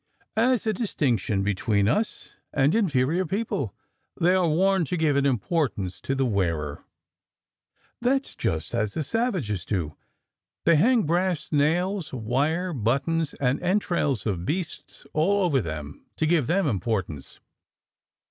"As a distinction between us and inferior people: they are worn to give an importance to the wearer." "That's just as the savages do; they hang brass nails, wire, buttons, and entrails of beasts all over them, to give them importance."